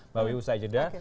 mbak wiby usai jeda